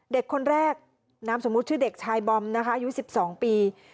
เด็กคนแรกนามสมมุติชื่อเด็กชายบอมนะคะอายุ๑๒ปี